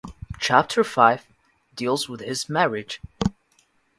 Chapter Five deals with his marriage.